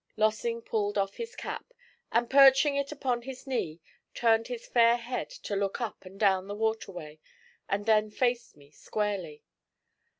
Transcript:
Lossing pulled off his cap, and perching it upon his knee, turned his fair head to look up and down the water way, and then faced me squarely.